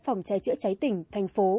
phòng cháy chữa cháy tỉnh thành phố